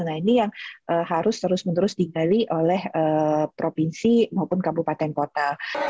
nah ini yang harus terus menerus digali oleh provinsi maupun kabupaten kota